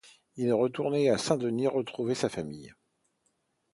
Il est retourné à Saint-Denis retrouver sa famille.